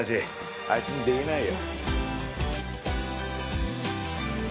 あいつにできないよ。